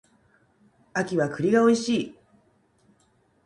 秋は栗が美味しい